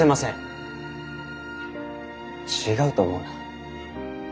違うと思うな。